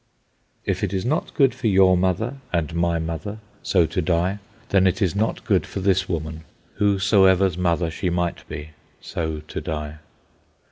If it is not good for your mother and my mother so to die, then it is not good for this woman, whosoever's mother she might be, so to die.